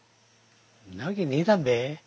んなわけねえだんべ。